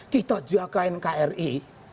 kita jagain kri